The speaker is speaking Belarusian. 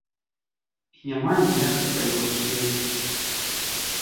І няма ніякай палёгкі ёй.